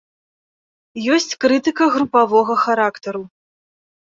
Ёсць крытыка групавога характару.